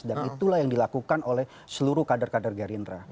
dan itulah yang dilakukan oleh seluruh kader kader gerindra